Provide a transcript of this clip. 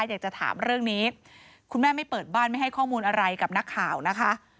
อยากจะถามเรื่องนี้คุณแม่ไม่เปิดบ้านไม่ให้ข้อมูลอะไรกับนักข่าวนะคะ